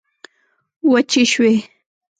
وچي شوې